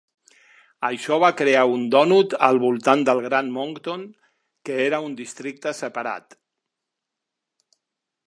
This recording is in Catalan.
Això va crear un "dònut" al voltant del Gran Moncton, que era un districte separat.